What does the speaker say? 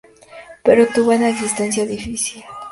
Pero tuvo una existencia difícil.